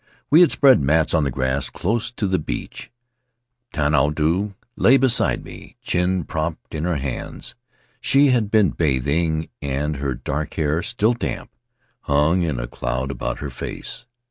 We had spread mats on the grass close to the beach; Tehinatu lay beside me, chin propped in her hands — she had been bathing, and her dark hair, still damp, hung in a cloud about her face.